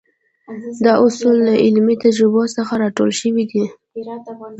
دا اصول له عملي تجربو څخه را ټول شوي دي.